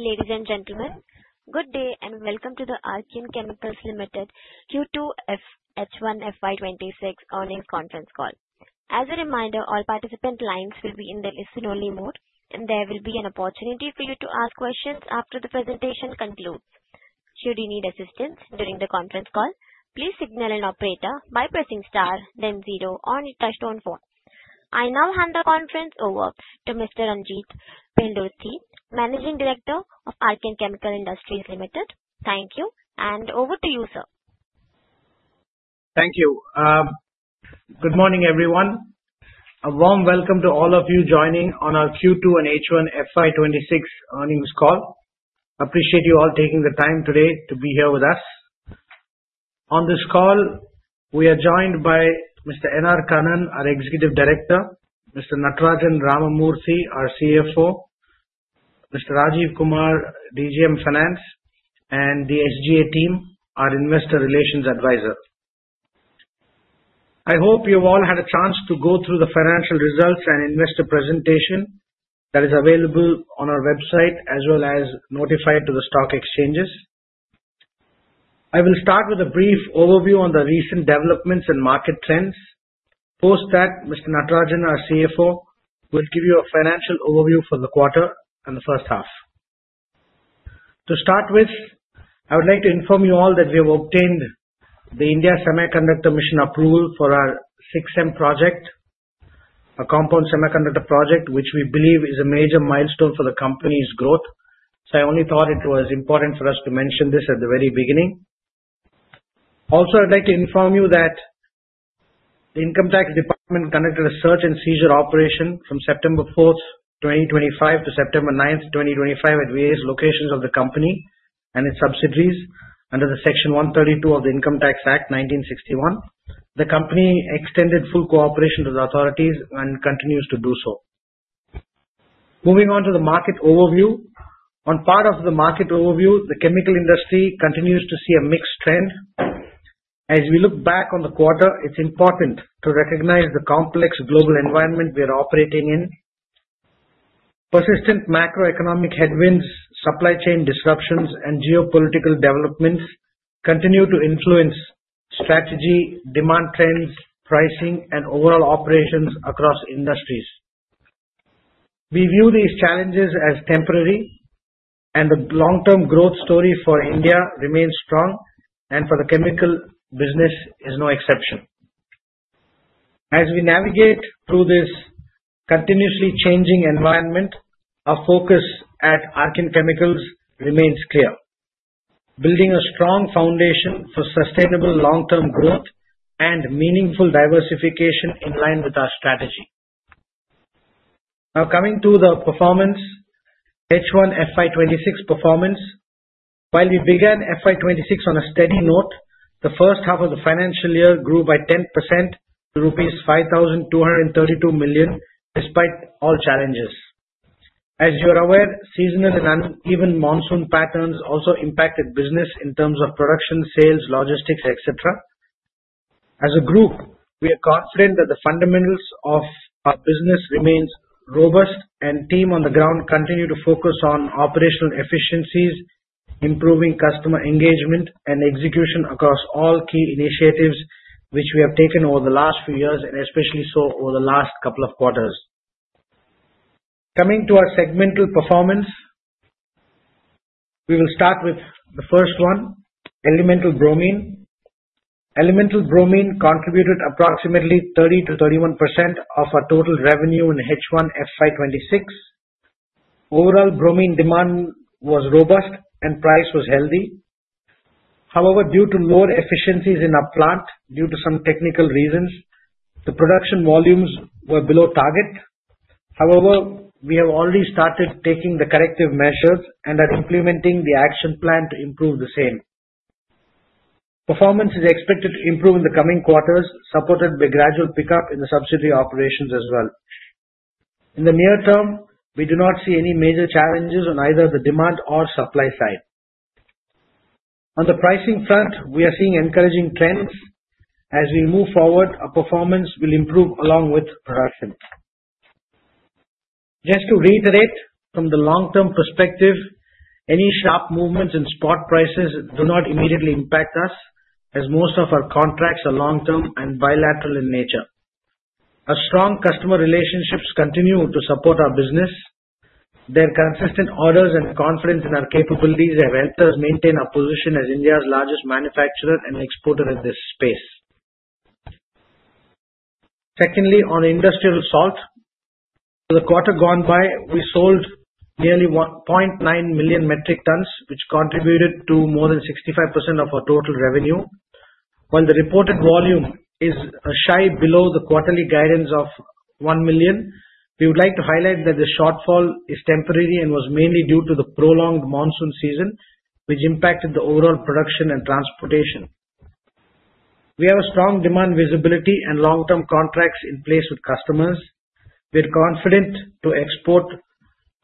Ladies and gentlemen, good day and welcome to the Archean Chemical Industries Limited Q2 H1 FY 2026 Earnings Conference Call. As a reminder, all participant lines will be in the listen-only mode, and there will be an opportunity for you to ask questions after the presentation concludes. Should you need assistance during the conference call, please signal an operator by pressing star, then zero, or touch tone phone. I now hand the conference over to Mr. Ranjit Pendurthi, Managing Director of Archean Chemical Industries Limited. Thank you, and over to you, sir. Thank you. Good morning, everyone. A warm welcome to all of you joining on our Q2 and H1 FY 2026 Earnings Call. I appreciate you all taking the time today to be here with us. On this call, we are joined by Mr. N.R. Kannan, our Executive Director, Mr. Natarajan Ramamurthy, our CFO, Mr. Rajeev Kumar, DGM Finance, and the SG&A team, our Investor Relations Advisor. I hope you've all had a chance to go through the financial results and investor presentation that is available on our website, as well as notified to the stock exchanges. I will start with a brief overview on the recent developments and market trends. Post that, Mr. Natarajan, our CFO, will give you a financial overview for the quarter and the first half. To start with, I would like to inform you all that we have obtained the India Semiconductor Mission approval for our SiCSem project, a compound semiconductor project, which we believe is a major milestone for the company's growth. So I only thought it was important for us to mention this at the very beginning. Also, I'd like to inform you that the Income Tax Department conducted a search and seizure operation from September 4th, 2025, to September 9th, 2025, at various locations of the company and its subsidiaries under the Section 132 of the Income Tax Act, 1961. The company extended full cooperation with authorities and continues to do so. Moving on to the market overview. On part of the market overview, the chemical industry continues to see a mixed trend. As we look back on the quarter, it's important to recognize the complex global environment we are operating in. Persistent macroeconomic headwinds, supply chain disruptions, and geopolitical developments continue to influence strategy, demand trends, pricing, and overall operations across industries. We view these challenges as temporary, and the long-term growth story for India remains strong, and for the chemical business, it's no exception. As we navigate through this continuously changing environment, our focus at Archean Chemicals remains clear: building a strong foundation for sustainable long-term growth and meaningful diversification in line with our strategy. Now, coming to the performance, H1 FY 2026 performance. While we began FY 2026 on a steady note, the first half of the financial year grew by 10% to rupees 5,232 million, despite all challenges. As you are aware, seasonal and uneven monsoon patterns also impacted business in terms of production, sales, logistics, etc. As a group, we are confident that the fundamentals of our business remain robust, and the team on the ground continues to focus on operational efficiencies, improving customer engagement, and execution across all key initiatives which we have taken over the last few years, and especially so over the last couple of quarters. Coming to our segmental performance, we will start with the first one, Elemental Bromine. Elemental Bromine contributed approximately 30%-31% of our total revenue in H1 FY 2026. Overall, Bromine demand was robust, and price was healthy. However, due to lower efficiencies in our plant due to some technical reasons, the production volumes were below target. However, we have already started taking the corrective measures and are implementing the action plan to improve the same. Performance is expected to improve in the coming quarters, supported by a gradual pickup in the subsidiary operations as well. In the near term, we do not see any major challenges on either the demand or supply side. On the pricing front, we are seeing encouraging trends. As we move forward, our performance will improve along with production. Just to reiterate, from the long-term perspective, any sharp movements in spot prices do not immediately impact us, as most of our contracts are long-term and bilateral in nature. Our strong customer relationships continue to support our business. Their consistent orders and confidence in our capabilities have helped us maintain our position as India's largest manufacturer and exporter in this space. Secondly, on Industrial Salt, for the quarter gone by, we sold nearly 1.9 million metric tons, which contributed to more than 65% of our total revenue. While the reported volume is shy below the quarterly guidance of 1 million, we would like to highlight that the shortfall is temporary and was mainly due to the prolonged monsoon season, which impacted the overall production and transportation. We have a strong demand visibility and long-term contracts in place with customers. We are confident to export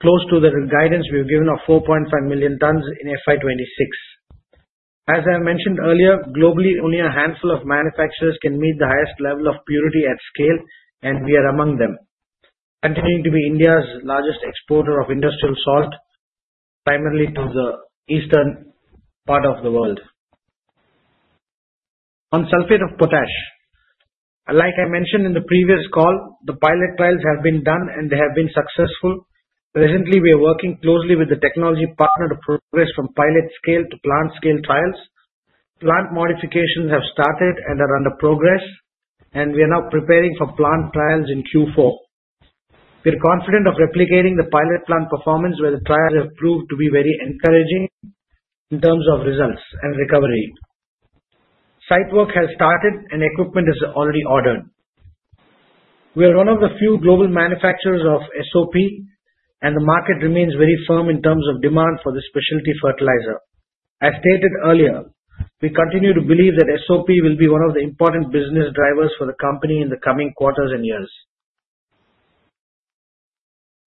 close to the guidance we have given of 4.5 million tons in FY 2026. As I mentioned earlier, globally, only a handful of manufacturers can meet the highest level of purity at scale, and we are among them, continuing to be India's largest exporter of industrial salt, primarily to the eastern part of the world. On Sulphate of Potash, like I mentioned in the previous call, the pilot trials have been done, and they have been successful. Presently, we are working closely with the technology partner to progress from pilot scale to plant scale trials. Plant modifications have started and are under progress, and we are now preparing for plant trials in Q4. We are confident of replicating the pilot plant performance, where the trials have proved to be very encouraging in terms of results and recovery. Site work has started, and equipment is already ordered. We are one of the few global manufacturers of SOP, and the market remains very firm in terms of demand for this specialty fertilizer. As stated earlier, we continue to believe that SOP will be one of the important business drivers for the company in the coming quarters and years.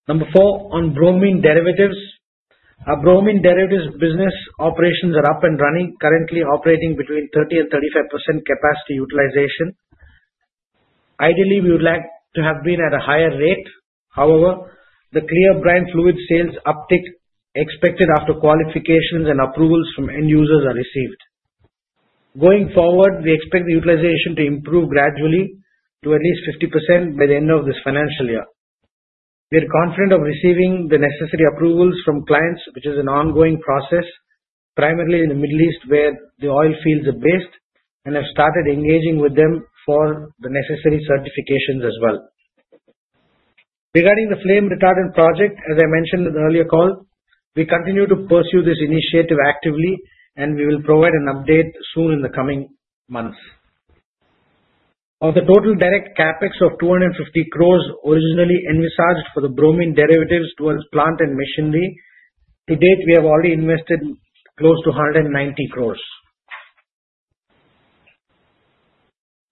Number four, on Bromine Derivatives. Our Bromine Derivatives business operations are up and running, currently operating between 30% and 35% capacity utilization. Ideally, we would like to have been at a higher rate. However, the Clear Brine Fluid sales uptick expected after qualifications and approvals from end users are received. Going forward, we expect the utilization to improve gradually to at least 50% by the end of this financial year. We are confident of receiving the necessary approvals from clients, which is an ongoing process, primarily in the Middle East, where the oil fields are based, and have started engaging with them for the necessary certifications as well. Regarding the Flame Retardant project, as I mentioned in the earlier call, we continue to pursue this initiative actively, and we will provide an update soon in the coming months. Of the total direct CapEx of 250 crores originally envisaged for the Bromine Derivatives towards plant and machinery, to date, we have already invested close to 190 crores.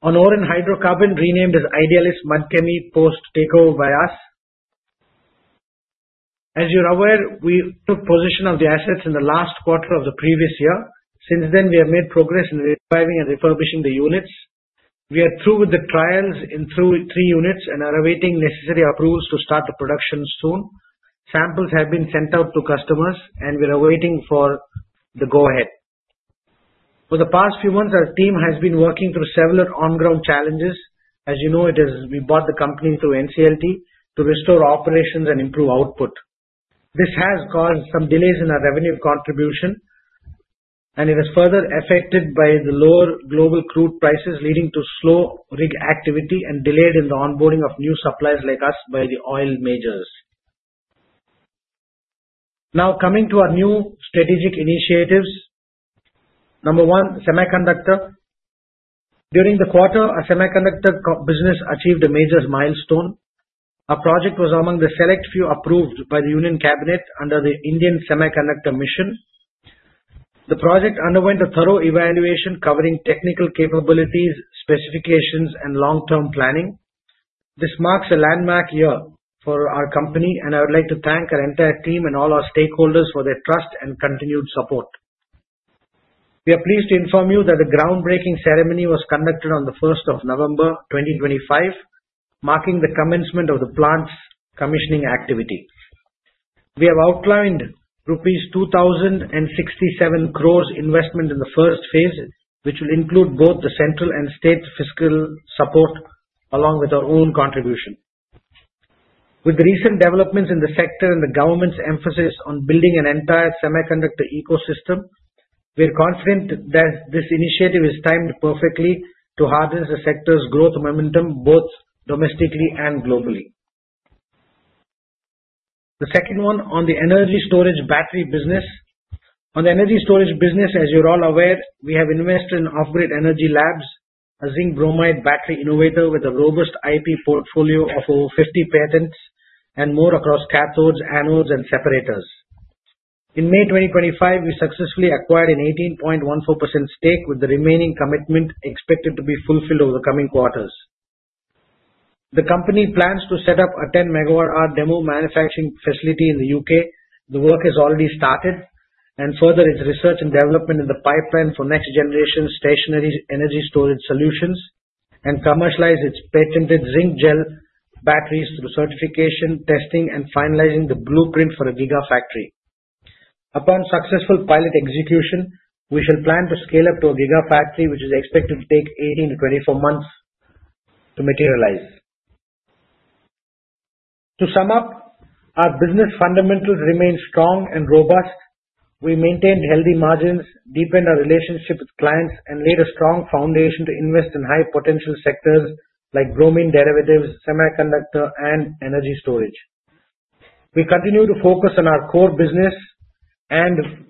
On Oren Hydrocarbons, renamed as Idealis MudChemie post-takeover by us. As you're aware, we took position on the assets in the last quarter of the previous year. Since then, we have made progress in reviving and refurbishing the units. We are through with the trials in three units and are awaiting necessary approvals to start the production soon. Samples have been sent out to customers, and we're awaiting for the go-ahead. For the past few months, our team has been working through several on-ground challenges. As you know, we bought the company through NCLT to restore operations and improve output. This has caused some delays in our revenue contribution, and it is further affected by the lower global crude prices, leading to slow rig activity and delayed in the onboarding of new suppliers like us by the oil majors. Now, coming to our new strategic initiatives. Number one, Semiconductor. During the quarter, our Semiconductor business achieved a major milestone. Our project was among the select few approved by the Union Cabinet under the India Semiconductor Mission. The project underwent a thorough evaluation covering technical capabilities, specifications, and long-term planning. This marks a landmark year for our company, and I would like to thank our entire team and all our stakeholders for their trust and continued support. We are pleased to inform you that the groundbreaking ceremony was conducted on the 1st of November, 2025, marking the commencement of the plant's commissioning activity. We have outlined rupees 2,067 crores investment in the first phase, which will include both the central and state fiscal support along with our own contribution. With the recent developments in the sector and the government's emphasis on building an entire semiconductor ecosystem, we are confident that this initiative is timed perfectly to harness the sector's growth momentum both domestically and globally. The second one on the Energy Storage Battery business. On the Energy Storage business, as you're all aware, we have invested in Offgrid Energy Labs, a Zinc Bromide battery innovator with a robust IP portfolio of over 50 patents and more across cathodes, anodes, and separators. In May 2025, we successfully acquired an 18.14% stake, with the remaining commitment expected to be fulfilled over the coming quarters. The company plans to set up a 10 Megawatt-hour demo manufacturing facility in the U.K. The work has already started, and further, its research and development in the pipeline for next-generation stationary energy storage solutions and commercialize its patented ZincGel batteries through certification, testing, and finalizing the blueprint for a giga-factory. Upon successful pilot execution, we shall plan to scale up to a giga-factory, which is expected to take 18-24 months to materialize. To sum up, our business fundamentals remain strong and robust. We maintained healthy margins, deepened our relationship with clients, and laid a strong foundation to invest in high-potential sectors like bromine derivatives, semiconductor, and energy storage. We continue to focus on our core business and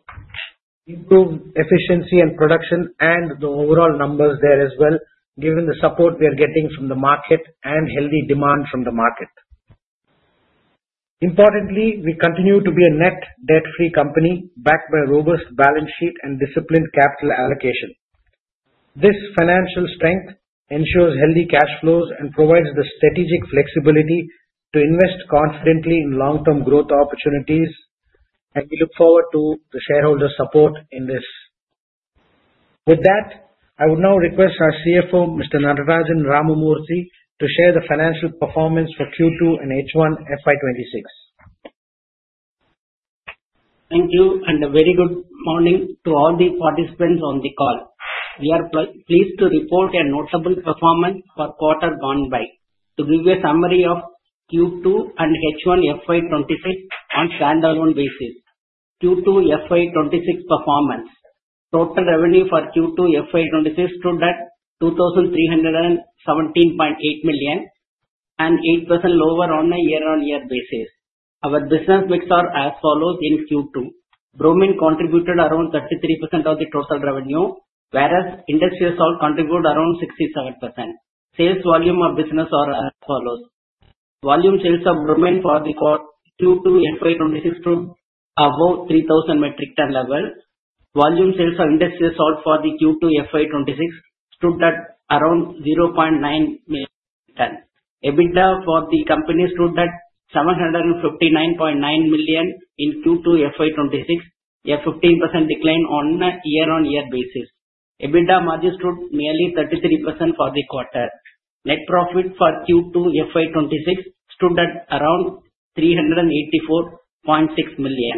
improve efficiency and production and the overall numbers there as well, given the support we are getting from the market and healthy demand from the market. Importantly, we continue to be a net debt-free company, backed by a robust balance sheet and disciplined capital allocation. This financial strength ensures healthy cash flows and provides the strategic flexibility to invest confidently in long-term growth opportunities, and we look forward to the shareholder support in this. With that, I would now request our CFO, Mr. Natarajan Ramamurthy, to share the financial performance for Q2 and H1 FY 2026. Thank you, and a very good morning to all the participants on the call. We are pleased to report a notable performance for quarter gone by. To give you a summary of Q2 and H1 FY 2026 on stand-alone basis, Q2 FY 2026 performance, total revenue for Q2 FY 2026 stood at 2,317.8 million and 8% lower on a year-on-year basis. Our business mix are as follows in Q2. Bromine contributed around 33% of the total revenue, whereas Industrial Salt contributed around 67%. Sales volume of business are as follows. Volume sales of Bromine for the Q2 FY 2026 stood above 3,000 metric ton level. Volume sales of Industrial Salt for the Q2 FY 2026 stood at around 0.9 million. EBITDA for the company stood at 759.9 million in Q2 FY 2026, a 15% decline on a year-on-year basis. EBITDA margin stood nearly 33% for the quarter. Net profit for Q2 FY 2026 stood at around 384.6 million.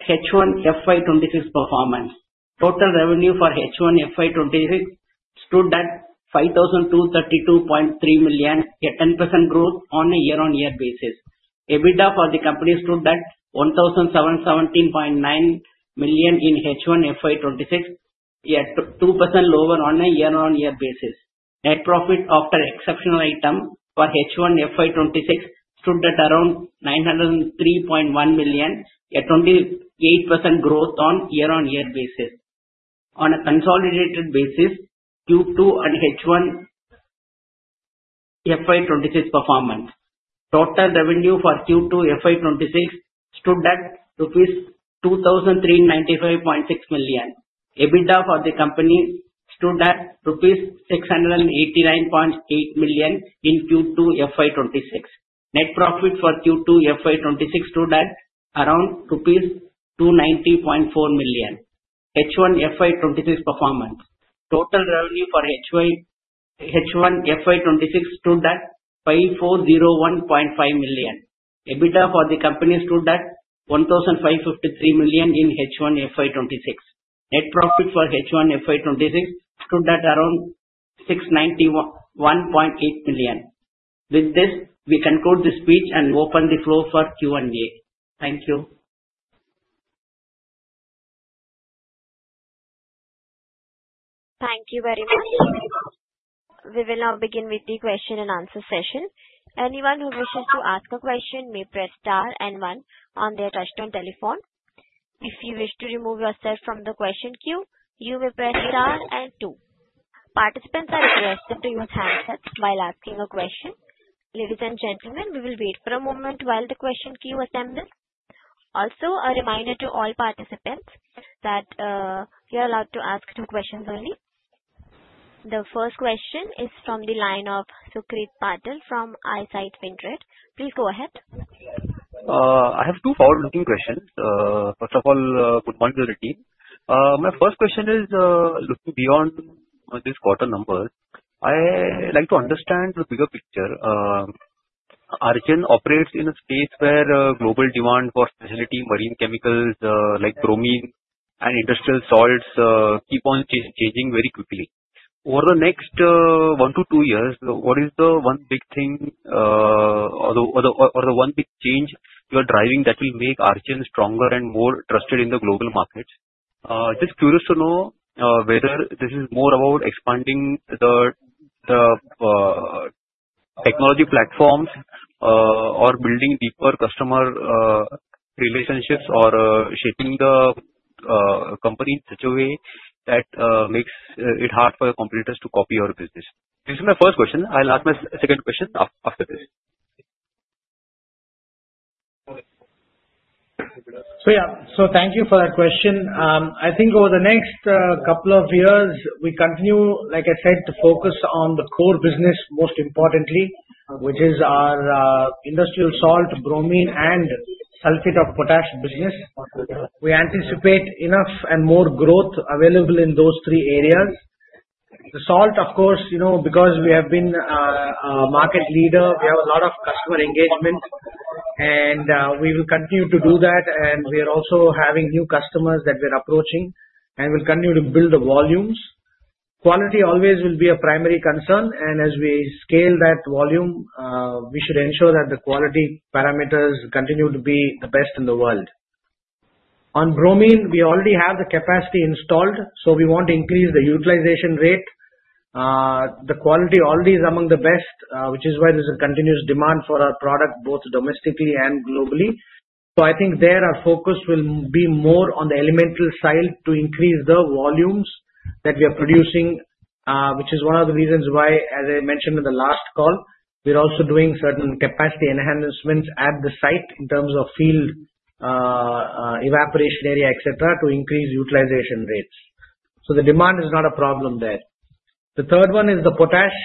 H1 FY 2026 performance, total revenue for H1 FY 2026 stood at 5,232.3 million, a 10% growth on a year-on-year basis. EBITDA for the company stood at 1,717.9 million in H1 FY 2026, a 2% lower on a year-on-year basis. Net profit after exceptional item for H1 FY 2026 stood at around 903.1 million, a 28% growth on a year-on-year basis. On a consolidated basis, Q2 and H1 FY 2026 performance, total revenue for Q2 FY 2026 stood at rupees 2,395.6 million. EBITDA for the company stood at rupees 689.8 million in Q2 FY 2026. Net profit for Q2 FY 2026 stood at around rupees 290.4 million. H1 FY 2026 performance, total revenue for H1 FY 2026 stood at 5,401.5 million. EBITDA for the company stood at 1,553 million in H1 FY 2026. Net profit for H1 FY 2026 stood at around 691.8 million. With this, we conclude the speech and open the floor for Q&A. Thank you. Thank you very much. We will now begin with the Q&A session. Anyone who wishes to ask a question may press star and one on their touch-tone telephone. If you wish to remove yourself from the question queue, you may press star and two. Participants are requested to use handsets while asking a question. Ladies and gentlemen, we will wait for a moment while the question queue assembles. Also, a reminder to all participants that you're allowed to ask two questions only. The first question is from the line of Sucrit Patil from Eyesight Fintrade. Please go ahead. I have two forward-looking questions. First of all, good morning to the team. My first question is, looking beyond this quarter number, I'd like to understand the bigger picture. Archean operates in a space where global demand for Specialty Marine Chemicals like Bromine and Industrial Salts keep on changing very quickly. Over the next one to two years, what is the one big thing or the one big change you are driving that will make Archean stronger and more trusted in the global markets? Just curious to know whether this is more about expanding the technology platforms or building deeper customer relationships or shaping the company in such a way that makes it hard for your competitors to copy your business. This is my first question. I'll ask my second question after this. So yeah, so thank you for that question. I think over the next couple of years, we continue, like I said, to focus on the core business most importantly, which is our Industrial Salt, Bromine, and Sulphate of Potash business. We anticipate enough and more growth available in those three areas. The Salt, of course, because we have been a market leader, we have a lot of customer engagement, and we will continue to do that. And we are also having new customers that we are approaching, and we'll continue to build the volumes. Quality always will be a primary concern, and as we scale that volume, we should ensure that the quality parameters continue to be the best in the world. On Bromine, we already have the capacity installed, so we want to increase the utilization rate. The quality already is among the best, which is why there's a continuous demand for our product both domestically and globally, so I think our focus will be more on the elemental side to increase the volumes that we are producing, which is one of the reasons why, as I mentioned in the last call, we're also doing certain capacity enhancements at the site in terms of field evaporation area, etc., to increase utilization rates, so the demand is not a problem there. The third one is the Potash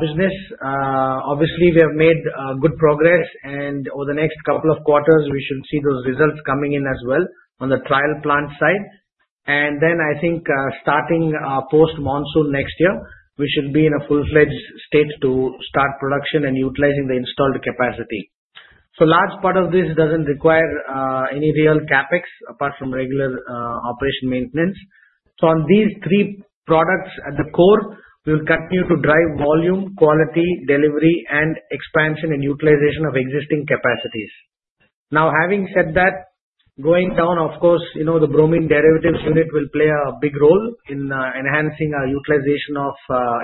business. Obviously, we have made good progress, and over the next couple of quarters, we should see those results coming in as well on the trial plant side, and then I think starting post-monsoon next year, we should be in a full-fledged state to start production and utilizing the installed capacity. So a large part of this doesn't require any real CapEx apart from regular operation maintenance. So on these three products at the core, we will continue to drive volume, quality, delivery, and expansion and utilization of existing capacities. Now, having said that, going down, of course, the Bromine Derivatives unit will play a big role in enhancing our utilization of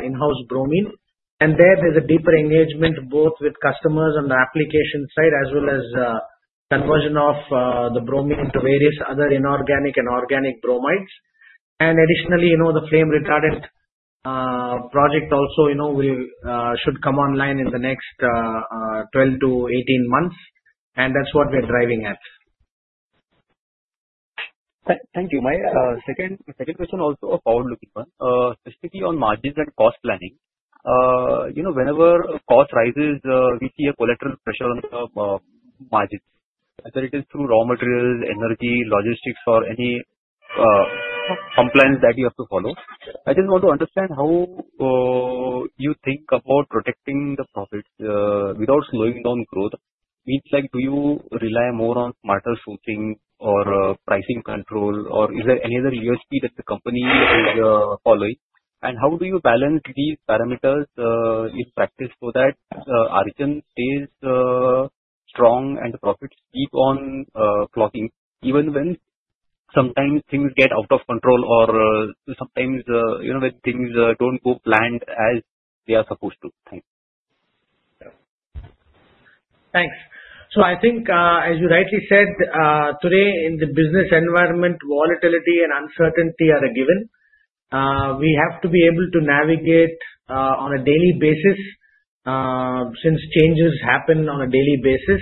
in-house bromine. And there there's a deeper engagement both with customers on the application side as well as conversion of the bromine to various other inorganic and organic bromides. And additionally, the Flame Retardant project also should come online in the next 12-18 months, and that's what we are driving at. Thank you. My second question also a forward-looking one, specifically on margins and cost planning. Whenever cost rises, we see a collateral pressure on the margins, whether it is through raw materials, energy, logistics, or any compliance that you have to follow. I just want to understand how you think about protecting the profits without slowing down growth. Means like, do you rely more on smarter sourcing or pricing control, or is there any other USP that the company is following? And how do you balance these parameters in practice so that Archean stays strong and the profits keep on clocking even when sometimes things get out of control or sometimes when things don't go planned as they are supposed to? Thanks. Thanks. I think, as you rightly said, today in the business environment, volatility and uncertainty are a given. We have to be able to navigate on a daily basis since changes happen on a daily basis.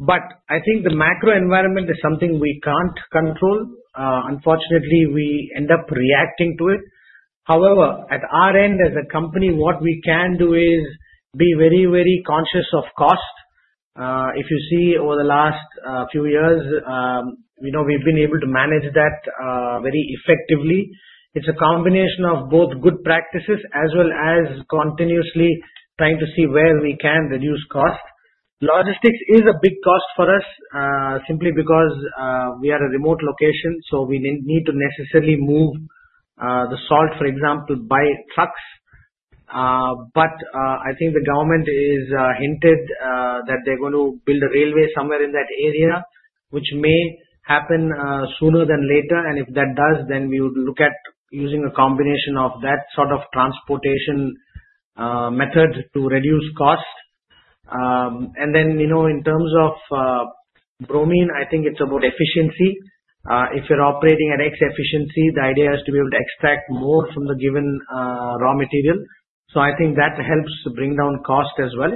But I think the macro environment is something we can't control. Unfortunately, we end up reacting to it. However, at our end as a company, what we can do is be very, very conscious of cost. If you see over the last few years, we've been able to manage that very effectively. It's a combination of both good practices as well as continuously trying to see where we can reduce cost. Logistics is a big cost for us simply because we are a remote location, so we need to necessarily move the salt, for example, by trucks. But I think the government has hinted that they're going to build a railway somewhere in that area, which may happen sooner than later. And if that does, then we would look at using a combination of that sort of transportation method to reduce cost. And then in terms of bromine, I think it's about efficiency. If you're operating at X-efficiency, the idea is to be able to extract more from the given raw material. So I think that helps to bring down cost as well.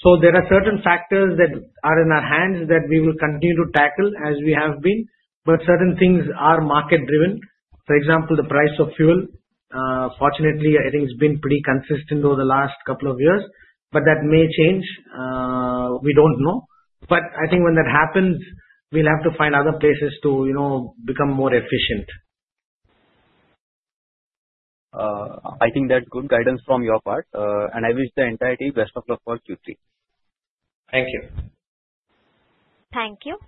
So there are certain factors that are in our hands that we will continue to tackle as we have been, but certain things are market-driven. For example, the price of fuel. Fortunately, I think it's been pretty consistent over the last couple of years, but that may change. We don't know. But I think when that happens, we'll have to find other places to become more efficient. I think that's good guidance from your part, and I wish the entirety best of luck for Q3. Thank you. Thank you.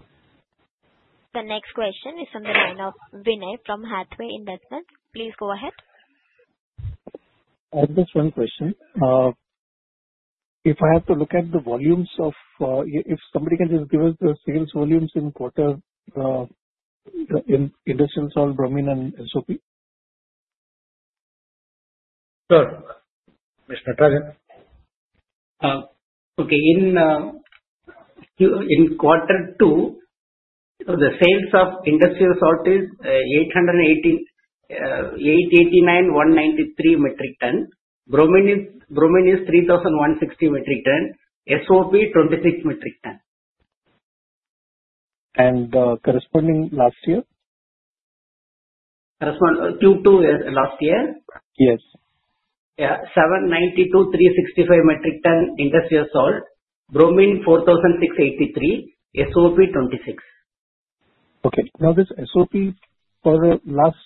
The next question is from the line of Vinay from Hathway Investments. Please go ahead. I have just one question. If I have to look at the volumes of if somebody can just give us the sales volumes in quarter in Industrial Salt, Bromine, and SOP? Sure. Mr. Natarajan. Okay. In quarter two, the sales of industrial salt is 889,193 metric ton. Bromine is 3,160 metric ton. SOP 26 metric ton. And corresponding last year? Corresponding Q2 last year? Yes. Yeah. 792,365 metric ton industrial salt. Bromine 4,683. SOP 26. Okay. Now this SOP for the last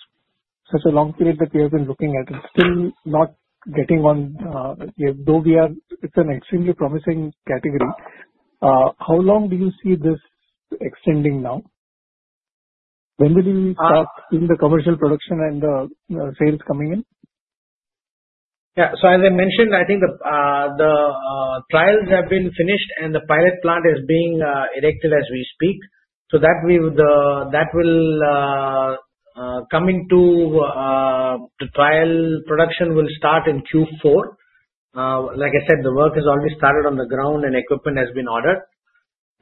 such a long period that we have been looking at, it's still not getting on. Though we are it's an extremely promising category. How long do you see this extending now? When will you start seeing the commercial production and the sales coming in? Yeah. So as I mentioned, I think the trials have been finished, and the pilot plant is being erected as we speak. So, that will come into the trial production, which will start in Q4. Like I said, the work has already started on the ground, and equipment has been ordered.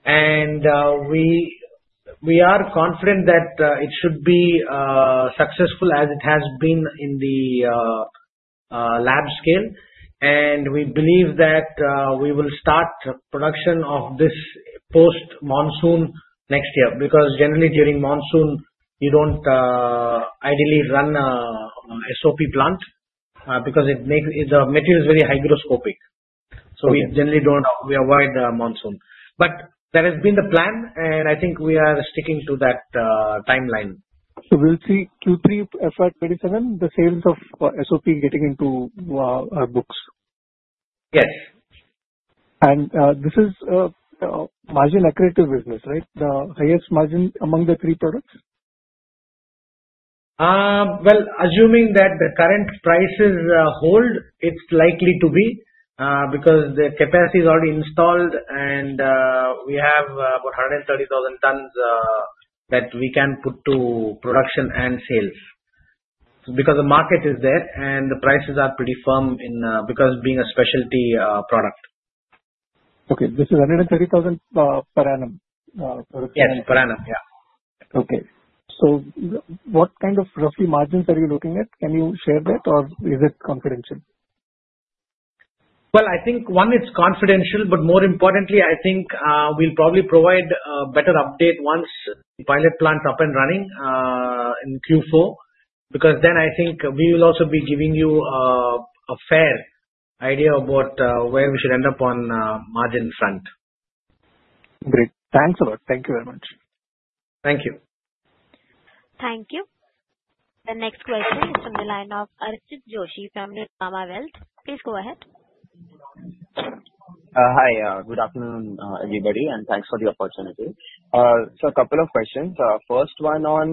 And we are confident that it should be successful as it has been in the lab scale. And we believe that we will start production of this post-monsoon next year because generally during monsoon, you don't ideally run an SOP plant because the material is very hygroscopic. So we generally don't avoid monsoon. But that has been the plan, and I think we are sticking to that timeline. So we'll see Q3 FY 2027, the sales of SOP getting into our books? Yes. And this is a margin-accretive business, right? The highest margin among the three products? Assuming that the current prices hold, it's likely to be because the capacity is already installed, and we have about 130,000 tons that we can put to production and sales because the market is there and the prices are pretty firm because being a specialty product. Okay. This is 130,000 per annum? Yes, per annum. Yeah. Okay. So what kind of roughly margins are you looking at? Can you share that, or is it confidential? Well, I think one, it's confidential, but more importantly, I think we'll probably provide a better update once the pilot plant's up and running in Q4 because then I think we will also be giving you a fair idea about where we should end up on margin front. Great. Thanks a lot. Thank you very much. Thank you. Thank you. The next question is from the line of Archit Joshi from Nuvama Wealth. Please go ahead. Hi. Good afternoon, everybody, and thanks for the opportunity. So a couple of questions. First one on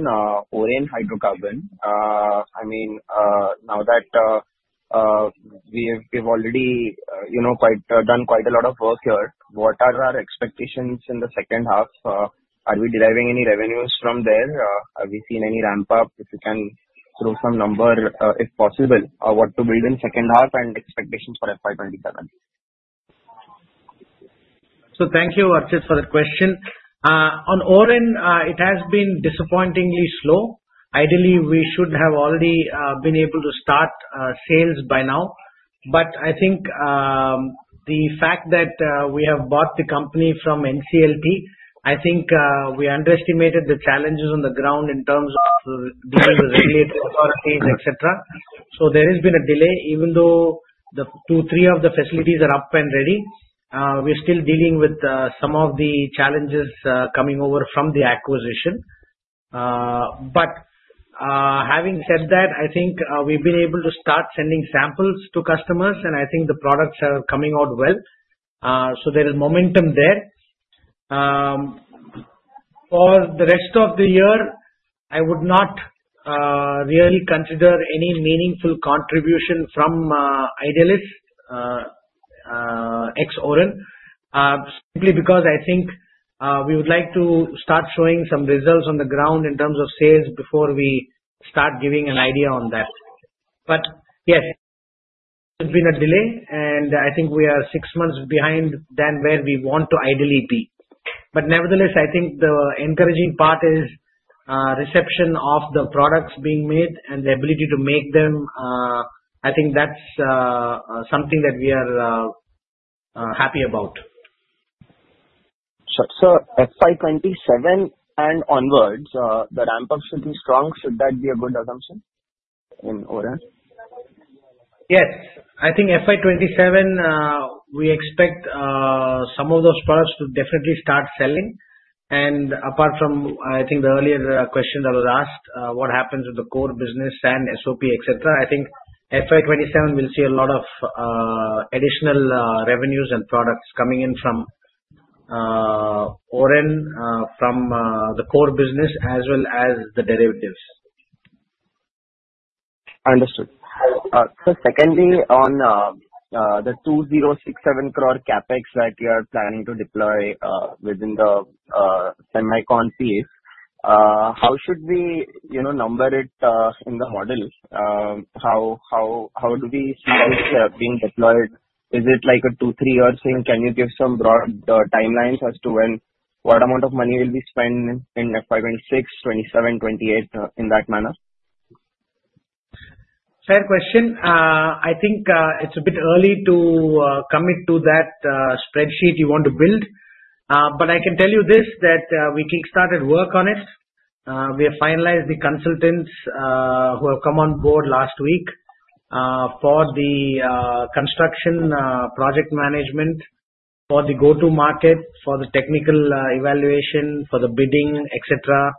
Oren Hydrocarbons. I mean, now that we've already done quite a lot of work here, what are our expectations in the second half? Are we deriving any revenues from there? Have we seen any ramp-up? If you can throw some number, if possible, what to build in second half and expectations for FY 2027? So thank you, Archit, for the question. On Oren, it has been disappointingly slow. Ideally, we should have already been able to start sales by now. But I think the fact that we have bought the company from NCLT. I think we underestimated the challenges on the ground in terms of dealing with regulatory authorities, etc. So there has been a delay. Even though the two, three of the facilities are up and ready, we're still dealing with some of the challenges coming over from the acquisition. But having said that, I think we've been able to start sending samples to customers, and I think the products are coming out well. So there is momentum there. For the rest of the year, I would not really consider any meaningful contribution from Idealis, ex-Oren simply because I think we would like to start showing some results on the ground in terms of sales before we start giving an idea on that. But yes, there's been a delay, and I think we are six months behind than where we want to ideally be. But nevertheless, I think the encouraging part is reception of the products being made and the ability to make them. I think that's something that we are happy about. So FY 2027 and onwards, the ramp-up should be strong. Should that be a good assumption in Oren? Yes. I think FY 2027, we expect some of those products to definitely start selling. And apart from, I think, the earlier question that was asked, what happens with the core business and SOP, etc., I think FY 2027, we'll see a lot of additional revenues and products coming in from Oren, from the core business as well as the derivatives. Understood. So secondly, on the INR 2,067 crore CapEx that you are planning to deploy within the semi-confis, how should we number it in the model? How do we see it being deployed? Is it like a two, or three-year thing? Can you give some broad timelines as to what amount of money will be spent in FY 2026, 2027, 28, in that manner? Fair question. I think it's a bit early to commit to that spreadsheet you want to build. But I can tell you this: that we kickstarted work on it. We have finalized the consultants who have come on board last week for the construction project management, for the go-to market, for the technical evaluation, for the bidding, etc.,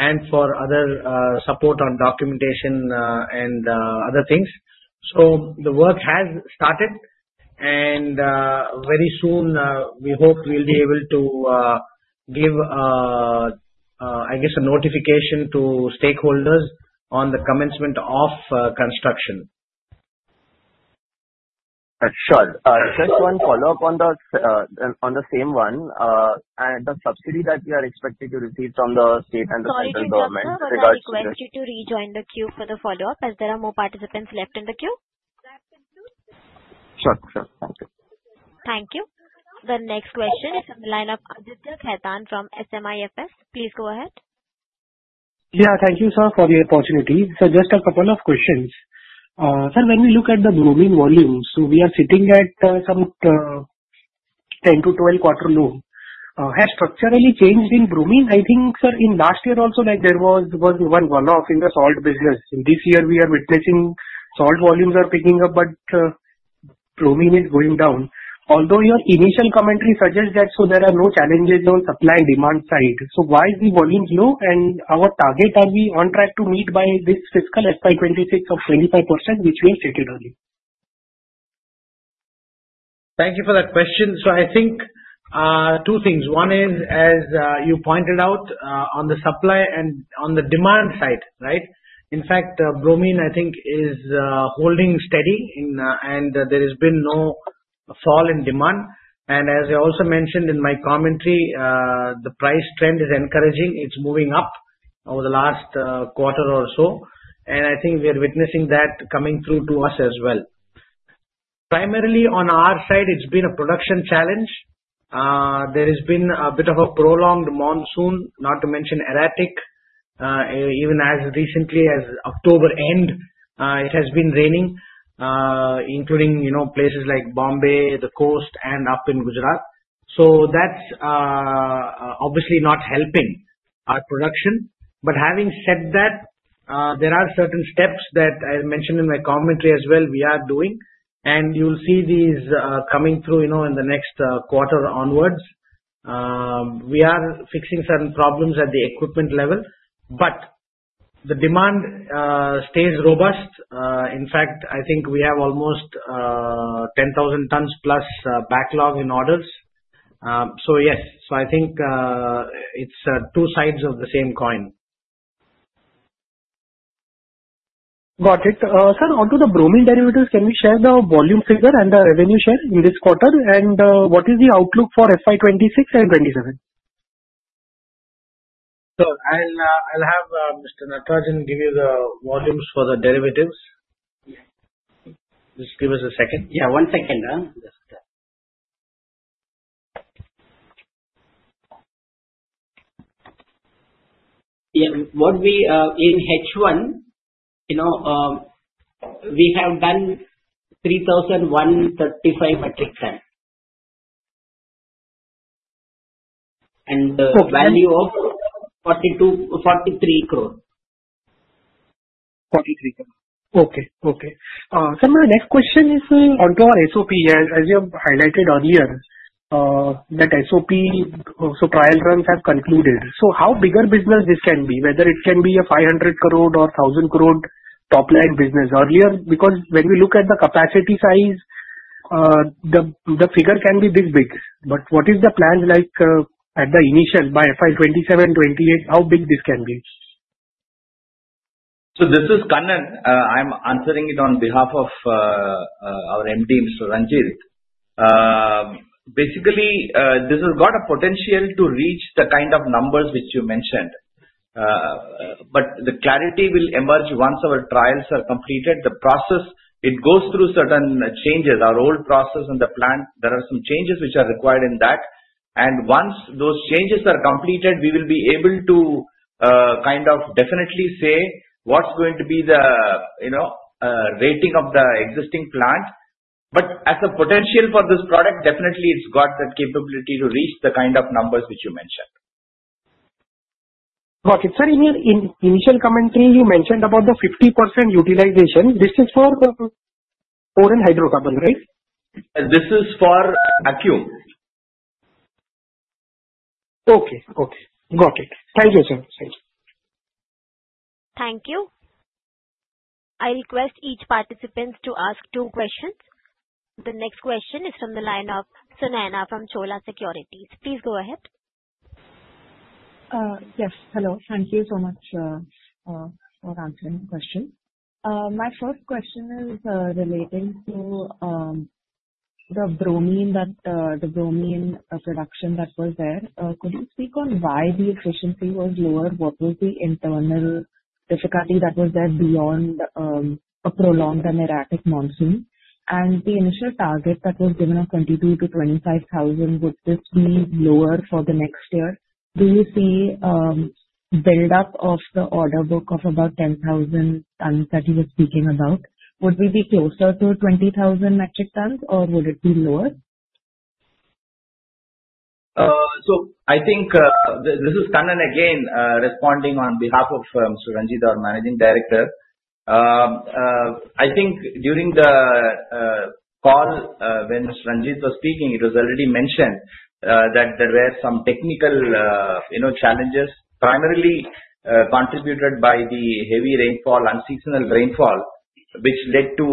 and for other support on documentation and other things. So the work has started, and very soon, we hope we'll be able to give, I guess, a notification to stakeholders on the commencement of construction. Sure. Just one follow-up on the same one. The subsidy that we are expected to receive from the state and the central government with regards to this. I just wanted you to rejoin the queue for the follow-up. Is there more participants left in the queue? Sure. Sure. Thank you. Thank you. The next question is from the line of Aditya Khetan from SMIFS. Please go ahead. Yeah. Thank you, sir, for the opportunity. So just a couple of questions. Sir, when we look at the bromine volumes, so we are sitting at some 10-12 quarter low. Has structurally changed in bromine? I think, sir, in last year also, there was one run-off in the Salt business. This year, we are witnessing salt volumes are picking up, but bromine is going down. Although your initial commentary suggests that there are no challenges on supply and demand side, so why is the volume low? And our target, are we on track to meet by this fiscal FY 2026 of 25%, which we have stated earlier? Thank you for that question. So I think two things. One is, as you pointed out, on the supply and on the demand side, right? In fact, bromine, I think, is holding steady, and there has been no fall in demand. And as I also mentioned in my commentary, the price trend is encouraging. It's moving up over the last quarter or so. And I think we are witnessing that coming through to us as well. Primarily on our side, it's been a production challenge. There has been a bit of a prolonged monsoon, not to mention erratic. Even as recently as October end, it has been raining, including places like Bombay, the Coast, and up in Gujarat. So that's obviously not helping our production. But having said that, there are certain steps that I mentioned in my commentary as well we are doing. And you'll see these coming through in the next quarter onwards. We are fixing certain problems at the equipment level, but the demand stays robust. In fact, I think we have almost 10,000 tons plus backlog in orders. So yes. So I think it's two sides of the same coin. Got it. Sir, onto the Bromine Derivatives, can we share the volume figure and the revenue share in this quarter? And what is the outlook for FY 2026 and FY 2027? Sure. I'll have Mr. Natarajan give you the volumes for the derivatives. Just give us a second. Yeah. One second. Yeah. In H1, we have done 3,135 metric tons. And the value of 43 crores. 43 crores. Okay. Okay. Sir, my next question is onto our SOP. As you have highlighted earlier, that SOP trial runs have concluded. So how bigger business this can be, whether it can be a 500 crore or 1,000 crore top-line business? Earlier, because when we look at the capacity size, the figure can be this big. But what is the plan at the initial by FY 2027, 2028? How big this can be? So this is Kannan. I'm answering it on behalf of our MD, so Ranjit. Basically, this has got a potential to reach the kind of numbers which you mentioned. But the clarity will emerge once our trials are completed. The process, it goes through certain changes. Our old process and the plant, there are some changes which are required in that. And once those changes are completed, we will be able to kind of definitely say what's going to be the rating of the existing plant. But as a potential for this product, definitely, it's got that capability to reach the kind of numbers which you mentioned. Got it. Sir, in your initial commentary, you mentioned about the 50% utilization. This is for Oren Hydrocarbons, right? This is for Acume. Okay. Okay. Got it. Thank you, sir. Thank you. I'll request each participant to ask two questions. The next question is from the line of Sunaina from Chola Securities. Please go ahead. Yes. Hello. Thank you so much for answering the question. My first question is relating to the bromine production that was there. Could you speak on why the efficiency was lower? What was the internal difficulty that was there beyond a prolonged and erratic monsoon? And the initial target that was given of 22,000-25,000 would this be lower for the next year? Do you see build-up of the order book of about 10,000 tons that you were speaking about? Would we be closer to 20,000 metric tons, or would it be lower? So I think this is Kannan again responding on behalf of Mr. Ranjit, our Managing Director. I think during the call when Mr. Ranjit was speaking. It was already mentioned that there were some technical challenges, primarily contributed by the heavy rainfall, unseasonal rainfall, which led to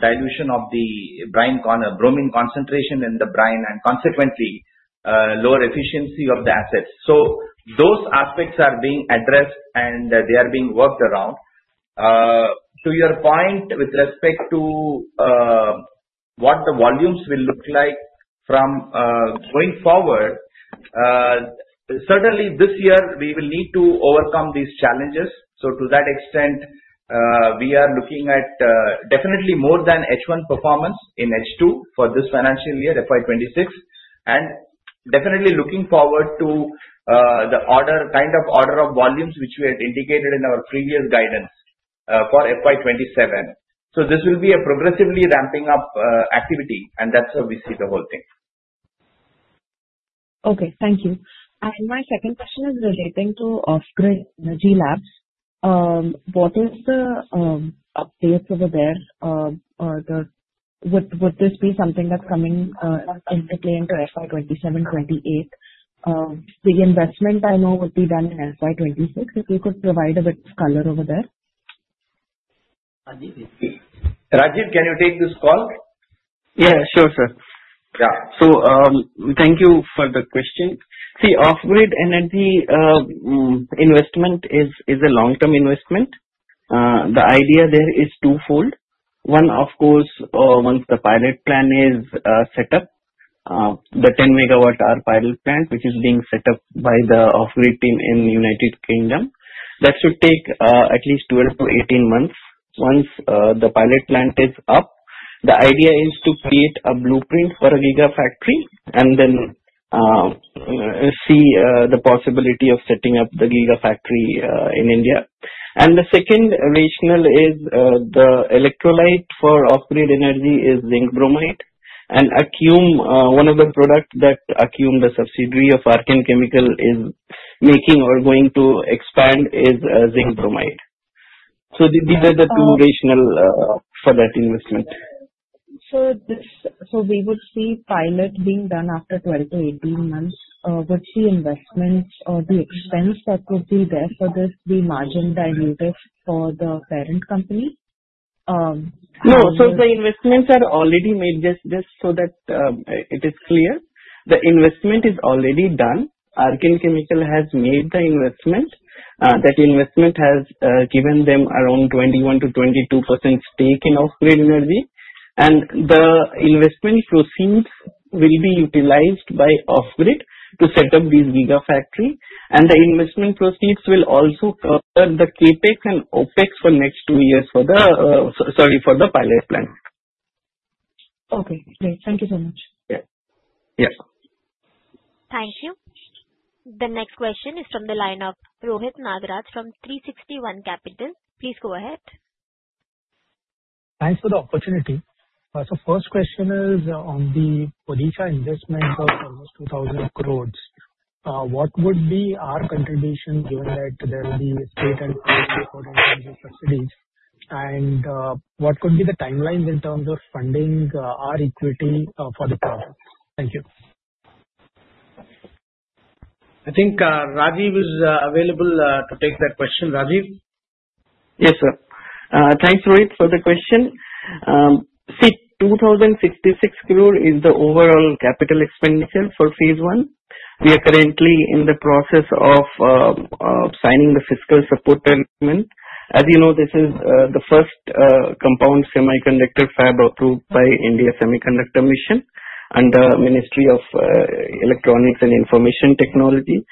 dilution of the bromine concentration in the brine and consequently, lower efficiency of the assets. So those aspects are being addressed, and they are being worked around. To your point with respect to what the volumes will look like from going forward, certainly, this year, we will need to overcome these challenges. So to that extent, we are looking at definitely more than H1 performance in H2 for this financial year, FY 2026, and definitely looking forward to the kind of order of volumes which we had indicated in our previous guidance for FY 2027. So this will be a progressively ramping-up activity, and that's how we see the whole thing. Okay. Thank you. And my second question is relating to Offgrid Energy Labs. What is the updates over there? Would this be something that's coming into play into FY 2027, 2028? The investment I know would be done in FY 2026. If you could provide a bit of color over there. Rajeev, can you take this call? Yeah. Sure, sir. Yeah. So thank you for the question. See, Offgrid Energy investment is a long-term investment. The idea there is twofold. One, of course, once the pilot plant is set up, the 10 Megawatt-hour pilot plant, which is being set up by the Offgrid team in the United Kingdom, that should take at least 12-18 months. Once the pilot plant is up, the idea is to create a blueprint for a giga-factory and then see the possibility of setting up the giga-factory in India. And the second rationale is the electrolyte for Offgrid Energy is zinc bromide. One of the products that Acume, the subsidiary of Archean Chemical, is making or going to expand is zinc bromide. These are the two rationales for that investment. We would see pilot being done after 12-18 months. Would the investments or the expense that would be there for this be margin dilutive for the parent company? No. The investments are already made. Just so that it is clear, the investment is already done. Archean Chemical has made the investment. That investment has given them around 21%-22% stake in Offgrid Energy. And the investment proceeds will be utilized by Offgrid to set up these giga-factory. And the investment proceeds will also cover the CapEx and OpEx for the next two years for the pilot plant. Okay. Great. Thank you so much. Yeah. Yeah. Thank you. The next question is from the line of Rohit Nagraj from 360 ONE Capital. Please go ahead. Thanks for the opportunity. So first question is on the Odisha investment of almost 2,000 crores. What would be our contribution given that there will be state and country support in terms of subsidies? And what could be the timelines in terms of funding our equity for the project? Thank you. I think Rajeev is available to take that question. Rajeev? Yes, sir. Thanks, Rohit, for the question. See, 2,066 crores is the overall capital expenditure for phase I. We are currently in the process of signing the fiscal support agreement. As you know, this is the first compound semiconductor fab approved by India Semiconductor Mission under the Ministry of Electronics and Information Technology.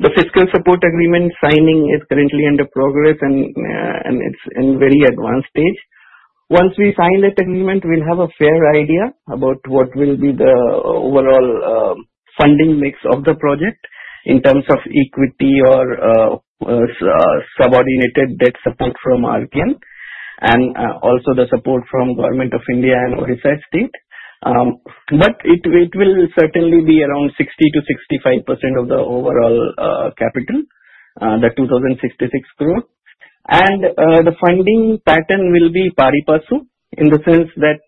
The fiscal support agreement signing is currently under progress, and it's in a very advanced stage. Once we sign that agreement, we'll have a fair idea about what will be the overall funding mix of the project in terms of equity or subordinated debt support from Archean and also the support from Government of India and Odisha state. But it will certainly be around 60%-65% of the overall capital, the 2,066 crore. And the funding pattern will be pari passu in the sense that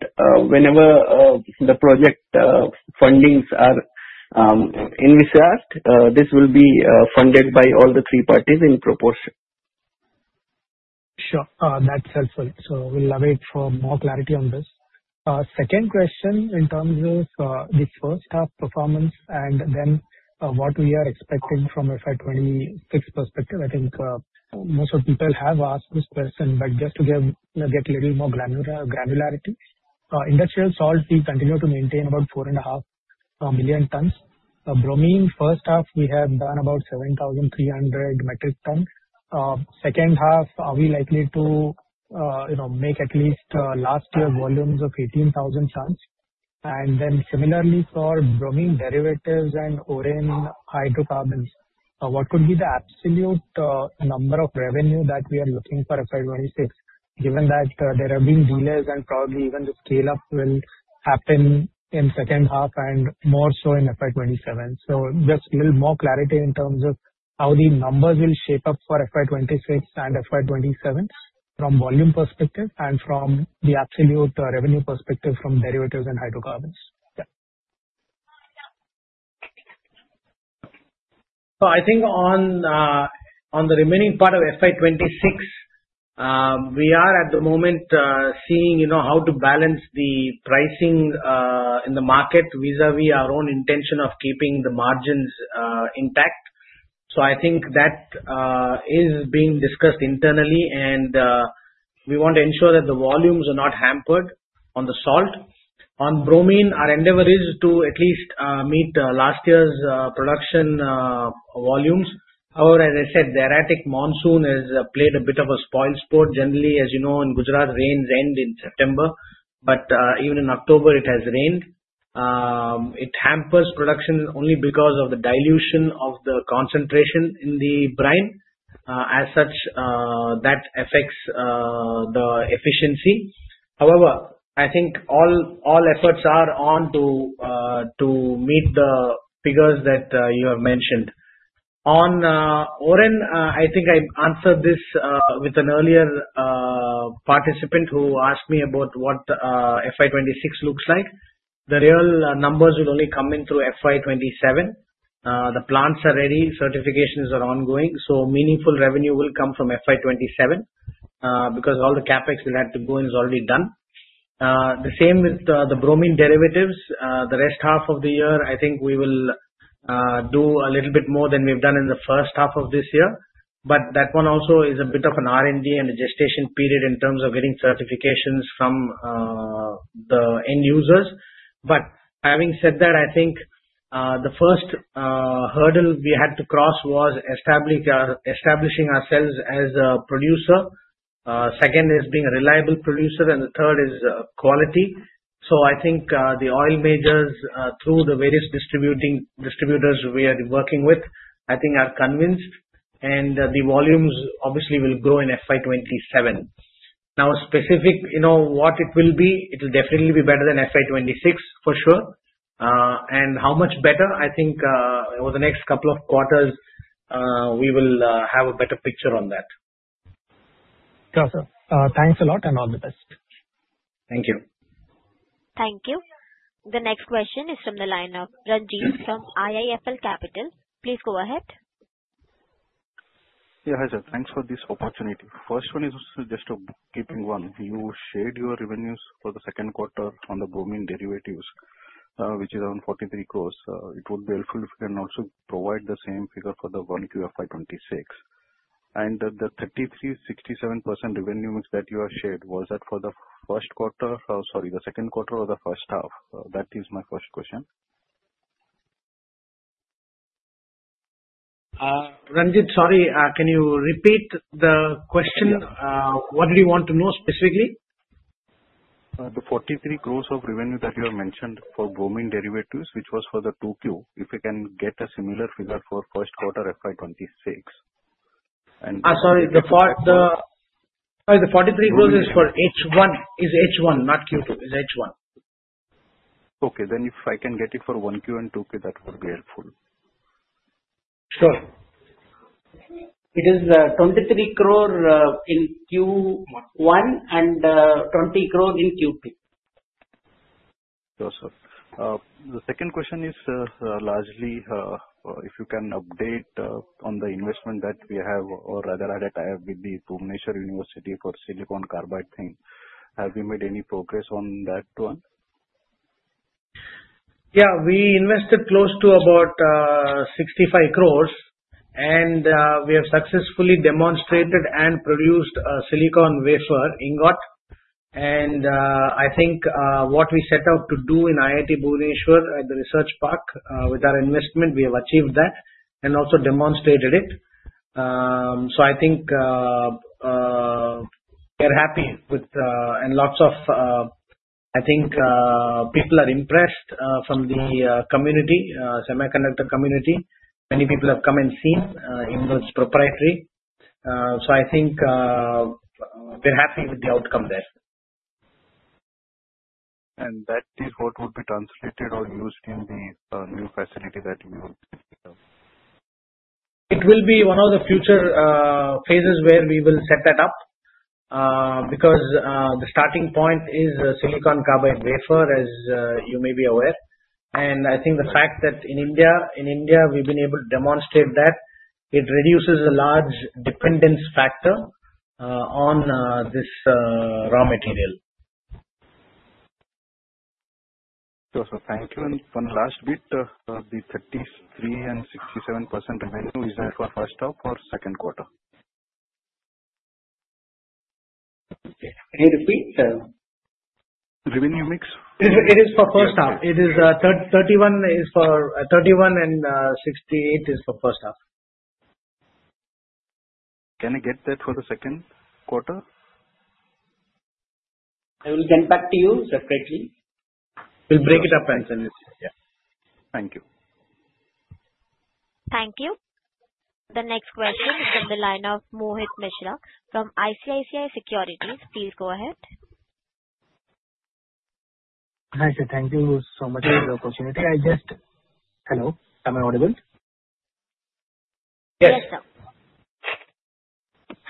whenever the project fundings are infused, this will be funded by all the three parties in proportion. Sure. That's helpful. So we'll wait for more clarity on this. Second question in terms of the first half performance and then what we are expecting from FY 2026 perspective. I think most of the people have asked this question, but just to get a little more granularity, industrial salt, we continue to maintain about 4.5 million tons. Bromine, first half, we have done about 7,300 metric tons. Second half, are we likely to make at least last year's volumes of 18,000 tons? And then similarly for bromine derivatives and Oren Hydrocarbons, what could be the absolute number of revenue that we are looking for FY 2026, given that there have been delays and probably even the scale-up will happen in second half and more so in FY 2027? So just a little more clarity in terms of how the numbers will shape up for FY 2026 and FY 2027 from volume perspective and from the absolute revenue perspective from derivatives and hydrocarbons. Yeah. So I think on the remaining part of FY 2026, we are at the moment seeing how to balance the pricing in the market vis-à-vis our own intention of keeping the margins intact. I think that is being discussed internally, and we want to ensure that the volumes are not hampered on the salt. On bromine, our endeavor is to at least meet last year's production volumes. However, as I said, the erratic monsoon has played a bit of a spoil sport. Generally, as you know, in Gujarat, rains end in September, but even in October, it has rained. It hampers production only because of the dilution of the concentration in the brine. As such, that affects the efficiency. However, I think all efforts are on to meet the figures that you have mentioned. On Oren, I think I answered this with an earlier participant who asked me about what FY 2026 looks like. The real numbers will only come in through FY 2027. The plants are ready. Certifications are ongoing. So meaningful revenue will come from FY 2027 because all the CapEx we had to go in is already done. The same with the bromine derivatives. The rest half of the year, I think we will do a little bit more than we've done in the first half of this year. But that one also is a bit of an R&D and a gestation period in terms of getting certifications from the end users. But having said that, I think the first hurdle we had to cross was establishing ourselves as a producer. Second is being a reliable producer, and the third is quality. So I think the oil majors through the various distributors we are working with, I think, are convinced, and the volumes obviously will grow in FY 2027. Now, specific what it will be, it will definitely be better than FY 2026, for sure. And how much better, I think over the next couple of quarters, we will have a better picture on that. Sure, sir. Thanks a lot and all the best. Thank you. Thank you. The next question is from the line of Ranjit from IIFL Capital. Please go ahead. Yeah. Hi, sir. Thanks for this opportunity. First one is just a bookkeeping one. You shared your revenues for the second quarter on the bromine derivatives, which is around 43 crores. It would be helpful if you can also provide the same figure for the Q1 FY 2026. And the 33%-67% revenue mix that you have shared, was that for the first quarter? Sorry, the second quarter or the first half? That is my first question. Ranjit, sorry. Can you repeat the question? What did you want to know specifically? The 43 crores of revenue that you have mentioned for bromine derivatives, which was for the 2Q, if you can get a similar figure for first quarter FY 2026. The 43 crores is for H1. It's H1, not Q2. It's H1. Okay. Then if I can get it for 1Q and 2Q, that would be helpful. Sure. It is 23 crore in Q1 and 20 crore in Q2. Sure, sir. The second question is largely if you can update on the investment that we have or rather had at IIT Bhubaneswar for silicon carbide thing. Have we made any progress on that one? Yeah. We invested close to about 65 crores, and we have successfully demonstrated and produced silicon wafer ingot. I think what we set out to do in IIT Bhubaneswar at the Research Park with our investment, we have achieved that and also demonstrated it. So I think we are happy with and lots of, I think, people are impressed from the community, semiconductor community. Many people have come and seen ingots, proprietary. So I think we're happy with the outcome there. And that is what would be translated or used in the new facility that you will set up? It will be one of the future phases where we will set that up because the starting point is silicon carbide wafer, as you may be aware. And I think the fact that in India, we've been able to demonstrate that, it reduces a large dependence factor on this raw material. Sure, sir. Thank you. And one last bit. The 33% and 67% revenue, is that for first half or second quarter? Can you repeat? Revenue mix? It is for first half. It is 31% and 68% for first half. Can I get that for the second quarter? I will get back to you separately. We'll break it up and send it. Yeah. Thank you. Thank you. The next question is from the line of Mohit Mishra from ICICI Securities. Please go ahead. Hi, sir. Thank you so much for the opportunity. Hello. Am I audible? Yes. Yes, sir.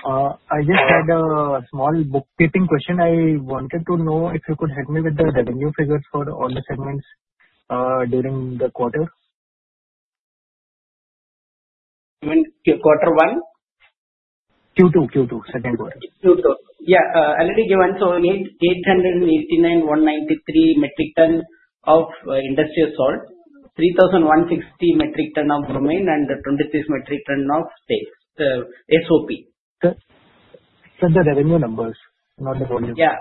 I just had a small bookkeeping question. I wanted to know if you could help me with the revenue figures for all the segments during the quarter. Quarter one? Q2. Q2. Second quarter. Q2. Yeah. Already given. So 889,193 metric tons of industrial salt, 3,160 metric tons of bromine, and 23 metric tons of SOP. Sure. Just the revenue numbers, not the volume. Yeah.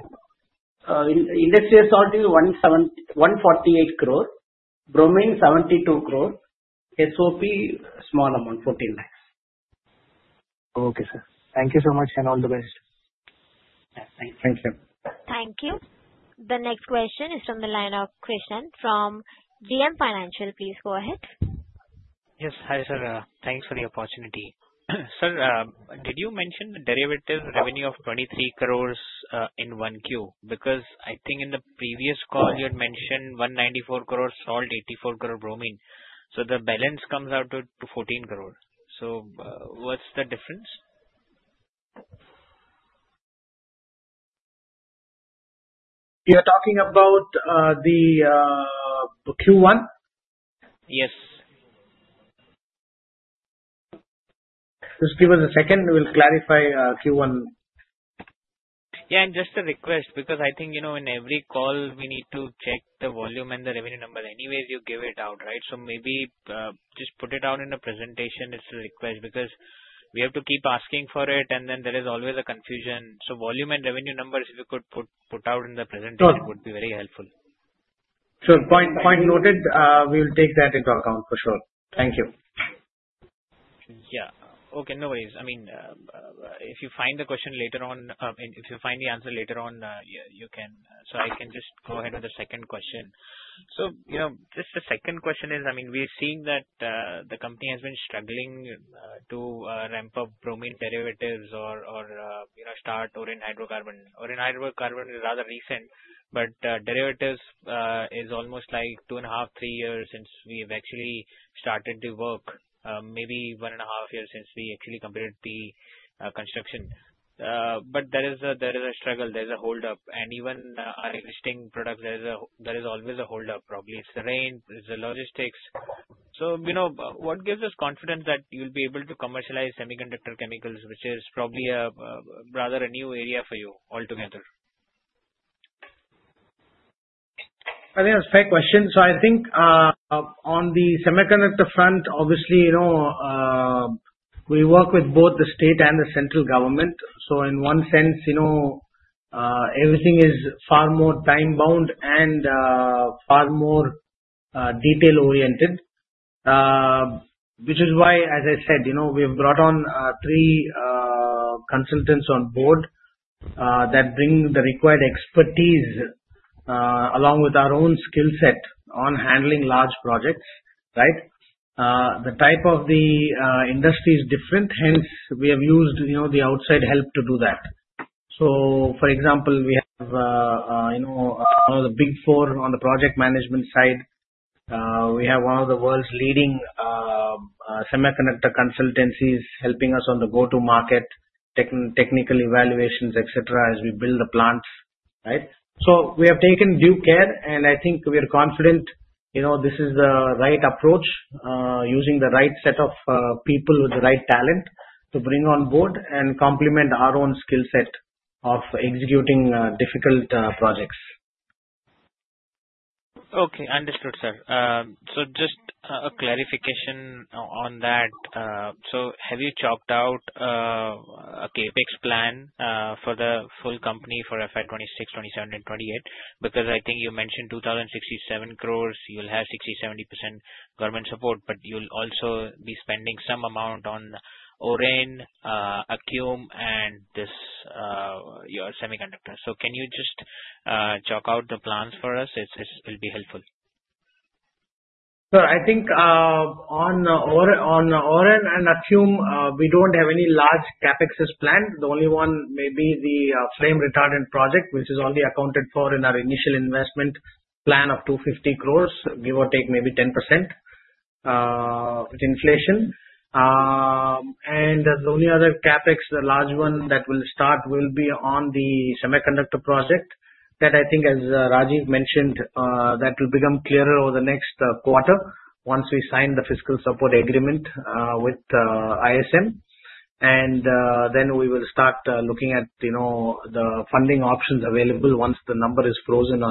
Industrial salt is 148 crores, bromine 72 crores, SOP small amount, 14 lakhs. Okay, sir. Thank you so much and all the best. Yeah. Thank you. Thank you. Thank you. The next question is from the line of Krishan from JM Financial. Please go ahead. Yes. Hi, sir. Thanks for the opportunity. Sir, did you mention the derivative revenue of 23 crores in 1Q? Because I think in the previous call, you had mentioned 194 crores salt, 84 crores bromine. So the balance comes out to 14 crores. So what's the difference? You're talking about the Q1? Yes. Just give us a second. We'll clarify Q1. Yeah. And just a request because I think in every call, we need to check the volume and the revenue number anyways you give it out, right? So maybe just put it out in a presentation as a request because we have to keep asking for it, and then there is always a confusion. So volume and revenue numbers, if you could put out in the presentation, would be very helpful. Sure. Point noted. We'll take that into account for sure. Thank you. Yeah. Okay. No worries. I mean, if you find the question later on, if you find the answer later on, you can. So I can just go ahead with the second question. So just the second question is, I mean, we're seeing that the company has been struggling to ramp up bromine derivatives or start Oren Hydrocarbons. Oren Hydrocarbons is rather recent, but derivatives is almost like two and a half, three years since we have actually started the work, maybe one and a half years since we actually completed the construction. But there is a struggle. There's a holdup. And even our existing products, there is always a holdup, probably. It's the rain. It's the logistics. So what gives us confidence that you'll be able to commercialize semiconductor chemicals, which is probably rather a new area for you altogether? That is a fair question. So I think on the semiconductor front, obviously, we work with both the state and the central government. So in one sense, everything is far more time-bound and far more detail-oriented, which is why, as I said, we have brought on three consultants on board that bring the required expertise along with our own skill set on handling large projects, right? The type of the industry is different. Hence, we have used the outside help to do that. So for example, we have one of the Big Four on the project management side. We have one of the world's leading semiconductor consultancies helping us on the go-to-market, technical evaluations, etc., as we build the plants, right? So we have taken due care, and I think we are confident this is the right approach, using the right set of people with the right talent to bring on board and complement our own skill set of executing difficult projects. Okay. Understood, sir. So just a clarification on that. So have you chalked out a CapEx plan for the full company for FY 2026, 2027, and 2028? Because I think you mentioned 2,067 crores. You'll have 60%-70% government support, but you'll also be spending some amount on Oren, Acume, and your semiconductors. So can you just chalk out the plans for us? It will be helpful. Sure. I think on Oren and Acume, we don't have any large CapEx plan. The only one may be the Flame Retardant project, which is only accounted for in our initial investment plan of 250 crores, give or take maybe 10% with inflation. And the only other CapEx, the large one that will start, will be on the semiconductor project. That I think, as Rajeev mentioned, that will become clearer over the next quarter once we sign the fiscal support agreement with ISM. And then we will start looking at the funding options available once the number is frozen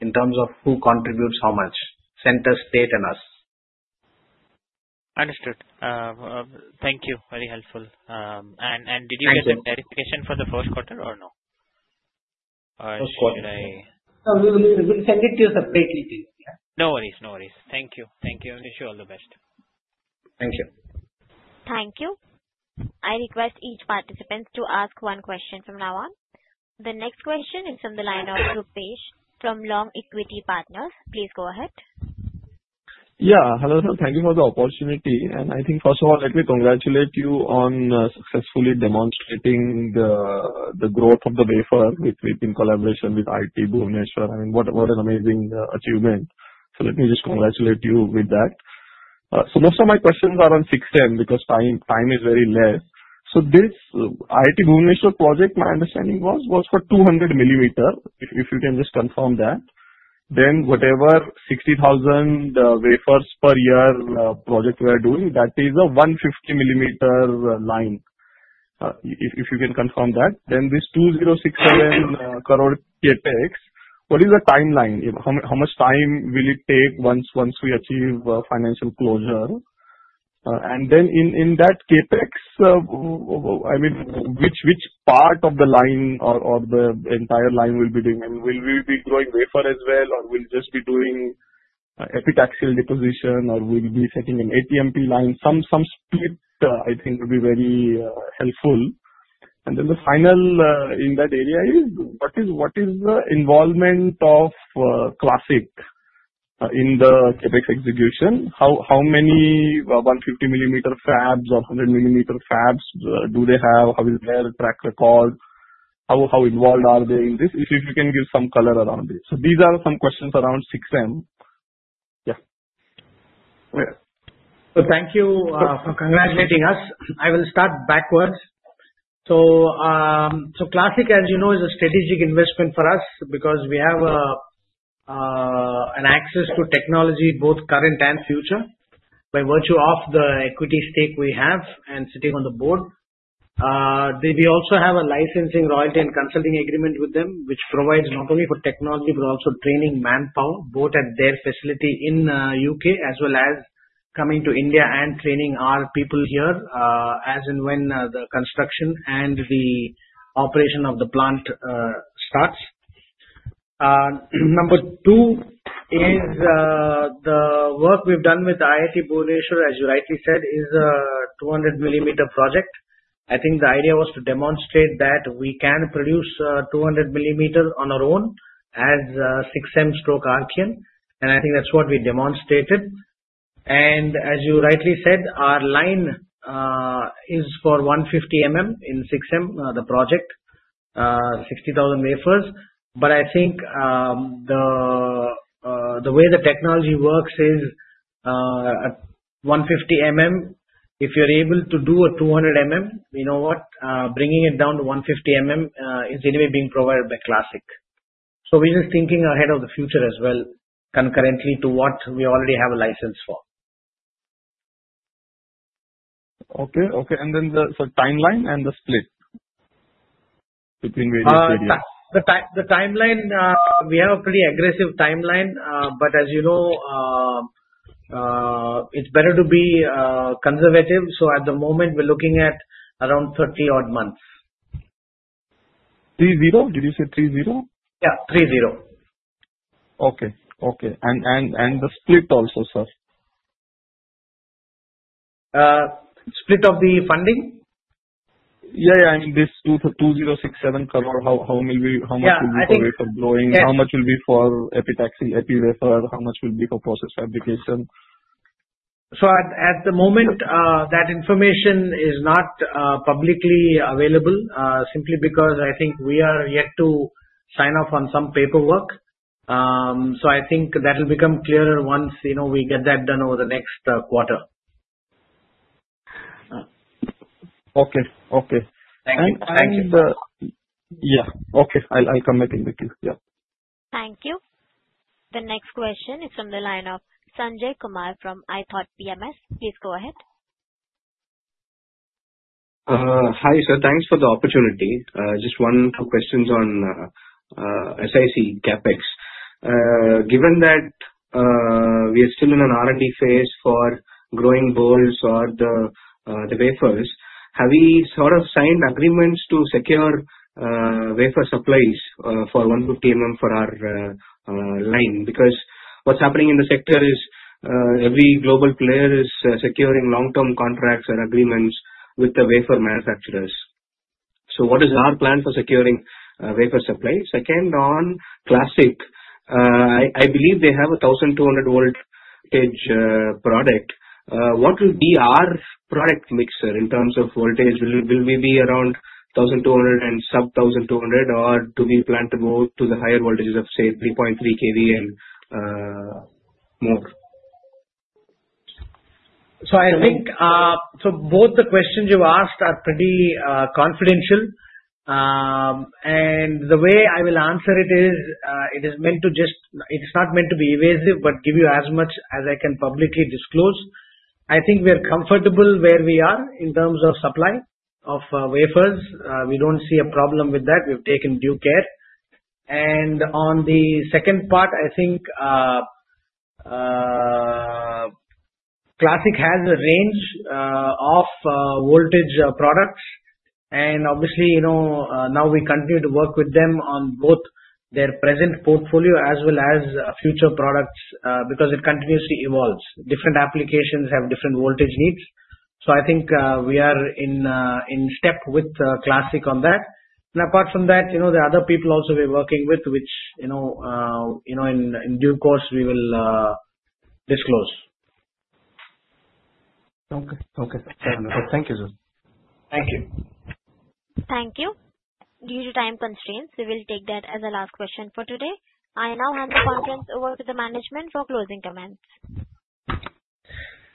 in terms of who contributes how much, Center, State, and us. Understood. Thank you. Very helpful. And did you get the verification for the first quarter or no? First quarter. We'll send it to you separately. No worries. No worries. Thank you. Thank you. I wish you all the best. Thank you. Thank you. I request each participant to ask one question from now on. The next question is from the line of Rupesh from Long Equity Partners. Please go ahead. Yeah. Hello, sir. Thank you for the opportunity. And I think, first of all, let me congratulate you on successfully demonstrating the growth of the wafer, which we did in collaboration with IIT Bhubaneswar. I mean, what an amazing achievement. So let me just congratulate you with that. So most of my questions are on SiCSem because time is very less. So this IIT Bhubaneswar project, my understanding was, was for 200 mm. If you can just confirm that, then whatever 60,000 wafers per year project we are doing, that is a 150 mm line. If you can confirm that, then this 2,067 crore CapEx, what is the timeline? How much time will it take once we achieve financial closure? And then in that CapEx, I mean, which part of the line or the entire line will be doing? And will we be growing wafer as well, or will we just be doing epitaxial deposition, or will we be setting an ATMP line? Some split, I think, would be very helpful. And then the final in that area is, what is the involvement of Clas-SiC in the CapEx execution? How many 150 mm fabs or 100 mm fabs do they have? How is their track record? How involved are they in this? If you can give some color around this. So these are some questions around SiCSem. Yeah. So thank you for congratulating us. I will start backwards. So Clas-SiC, as you know, is a strategic investment for us because we have an access to technology, both current and future, by virtue of the equity stake we have and sitting on the board. We also have a licensing, royalty, and consulting agreement with them, which provides not only for technology but also training manpower, both at their facility in the U.K. as well as coming to India and training our people here as and when the construction and the operation of the plant starts. Number two is the work we've done with IIT Bhubaneswar, as you rightly said, is a 200 mm project. I think the idea was to demonstrate that we can produce 200 mm on our own as SiCSem stroke Archean. And I think that's what we demonstrated. And as you rightly said, our line is for 150 mm in SiCSem, the project, 60,000 wafers. But I think the way the technology works is 150 mm. If you're able to do a 200 mm, you know what? Bringing it down to 150 mm is anyway being provided by Clas-SiC. So we're just thinking ahead of the future as well, concurrently to what we already have a license for. Okay. Okay. And then the timeline and the split between various areas? The timeline, we have a pretty aggressive timeline. But as you know, it's better to be conservative. So at the moment, we're looking at around 30-odd months. Three-zero? Did you say three-zero? Yeah. Three-zero. Okay. Okay. And the split also, sir? Split of the funding? Yeah. Yeah. I mean, this 2,067 crore, how much will be for wafer growing? How much will be for epitaxy, epi wafer? How much will be for process fabrication? So at the moment, that information is not publicly available simply because I think we are yet to sign off on some paperwork. So I think that will become clearer once we get that done over the next quarter. Okay. Okay. Thank you. Thank you. Yeah. Okay. I'll come back and look at it. Yeah. Thank you. The next question is from the line of Sanjay Kumar from ithought PMS. Please go ahead. Hi, sir. Thanks for the opportunity. Just one question on SiC CapEx. Given that we are still in an R&D phase for growing boules or the wafers, have we sort of signed agreements to secure wafer supplies for 150 mm for our line? Because what's happening in the sector is every global player is securing long-term contracts and agreements with the wafer manufacturers. So what is our plan for securing wafer supplies? Second, on Clas-SiC, I believe they have a 1,200-voltage product. What will be our product mixture in terms of voltage? Will we be around 1,200 and sub-1,200, or do we plan to go to the higher voltages of, say, 3.3 kV and more? So I think both the questions you've asked are pretty confidential. And the way I will answer it is, it is meant to just, it's not meant to be evasive, but give you as much as I can publicly disclose. I think we are comfortable where we are in terms of supply of wafers. We don't see a problem with that. We've taken due care. And on the second part, I think Clas-SiC has a range of voltage products. And obviously, now we continue to work with them on both their present portfolio as well as future products because it continuously evolves. Different applications have different voltage needs. So I think we are in step with Clas-SiC on that. And apart from that, the other people also we're working with, which in due course, we will disclose. Okay. Okay. Thank you, sir. Thank you. Thank you. Due to time constraints, we will take that as a last question for today. I now hand the conference over to the management for closing comments.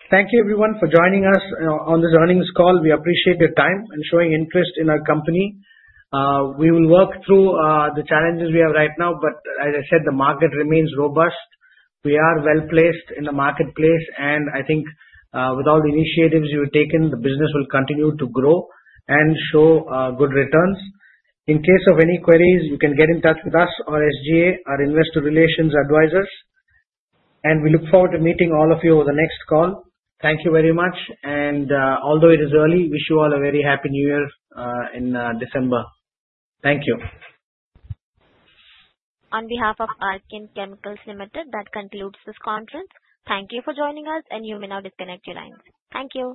Thank you, everyone, for joining us on this earnings call. We appreciate your time and showing interest in our company. We will work through the challenges we have right now, but as I said, the market remains robust. We are well placed in the marketplace. And I think with all the initiatives you've taken, the business will continue to grow and show good returns. In case of any queries, you can get in touch with us or SG&A, our investor relations advisors. We look forward to meeting all of you over the next call. Thank you very much. And although it is early, wish you all a very happy New Year in December. Thank you. On behalf of Archean Chemical Industries Limited, that concludes this conference. Thank you for joining us, and you may now disconnect your lines. Thank you.